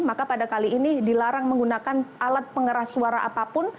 maka pada kali ini dilarang menggunakan alat pengeras suara apapun